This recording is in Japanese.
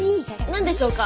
何でしょうか？